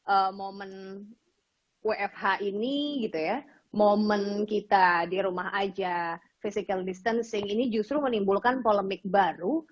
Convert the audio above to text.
ee momen wfh ini gitu ya momen kita di rumah aja physical distancing ini justru menimbulkan polemik baru